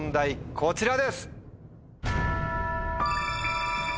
こちらです。